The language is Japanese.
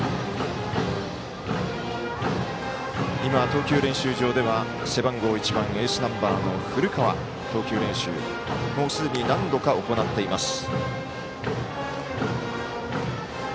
投球練習場では背番号１番のエースナンバーの古川投球練習、何度か行っています。